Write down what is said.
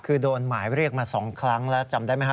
คือโดนหมายเรียกมา๒ครั้งแล้วจำได้ไหมฮ